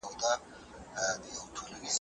دا هڅه د ماهییت د ژور پوهنې لامل ګرځي.